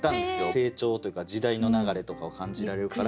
成長というか時代の流れとかを感じられるから。